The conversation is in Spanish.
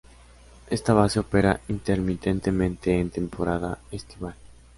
Esta base opera intermitentemente en temporada estival.